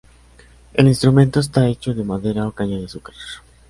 El instrumento está hecho de madera o caña de azúcar.